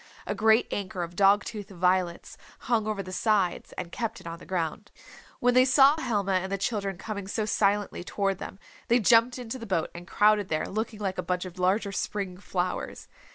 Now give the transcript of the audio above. A great anchor of dog tooth violets hung over the sides and kept it on the ground. When they saw Helma and the children coming so silently toward them they jumped into the boat and crowded there looking like a bunch of larger spring flowers.